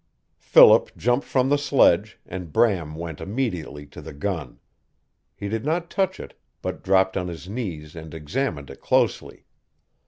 Philip jumped from the sledge, and Bram went immediately to the gun. He did not touch it, but dropped on his knees and examined it closely.